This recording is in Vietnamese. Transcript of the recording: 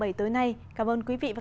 mỹ đã gây ra một cơ hội biến thức